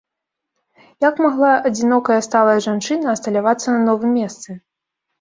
Як магла адзінокая сталая жанчына асталявацца на новым месцы?